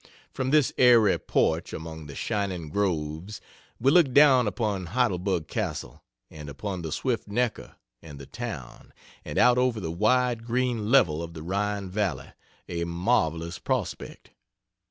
From this airy porch among the shining groves we look down upon Heidelberg Castle, and upon the swift Neckar, and the town, and out over the wide green level of the Rhine valley a marvelous prospect.